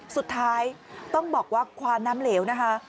สุดท้ายต้องบอกว่าควานน้ำเหลวนะคะ